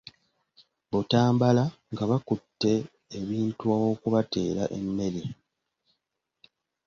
Butambala nga bakutte ebintu awokubateera emmere.